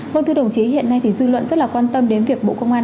vâng thưa đồng chí hiện nay thì dư luận rất là quan tâm đến việc bộ công an